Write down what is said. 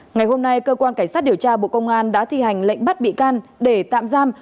ngày hôm nay cơ quan cảnh sát điều tra bộ công an đã thi hành lệnh bắt bị can để tạm giam